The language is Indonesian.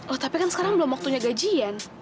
oh tapi kan sekarang belum waktunya gajian